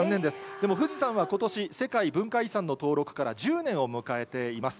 でも、富士山はことし、世界文化遺産の登録から１０年を迎えています。